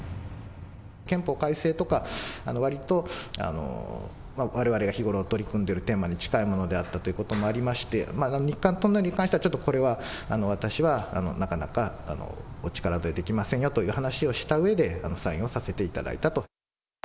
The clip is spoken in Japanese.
憲法改正とか、わりとわれわれが日頃取り組んでるテーマに近いものであったということもありまして、日韓トンネルに関しては、ちょっとこれは私はなかなかお力添えできませんよという話をしたうえで、サインをさせていただいたと。